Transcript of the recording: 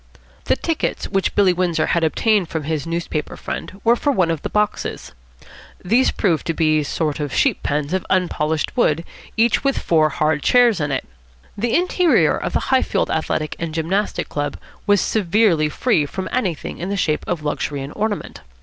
The tickets which Billy Windsor had obtained from his newspaper friend were for one of the boxes. These proved to be sort of sheep pens of unpolished wood, each with four hard chairs in it. The interior of the Highfield Athletic and Gymnastic Club was severely free from anything in the shape of luxury and ornament.